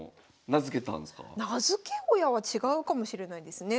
名付け親は違うかもしれないですね。